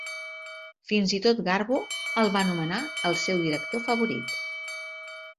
Fins i tot, Garbo el va nomenar el seu director favorit.